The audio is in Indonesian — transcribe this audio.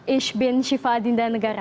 ich bin siva adinda negara